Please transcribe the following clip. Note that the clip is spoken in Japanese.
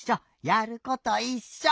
やることいっしょ。